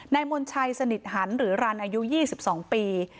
มณชัยสนิทหันหรือรันอายุ๒๒ปี